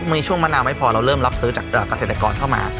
มีช่วงมะนาวไม่พอเราเริ่มรับซื้อจากเกษตรกรเข้ามา